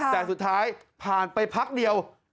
แต่สุดท้ายผ่านไปพักเดียว